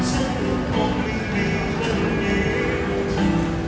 ฉันคงไม่มีตรงนี้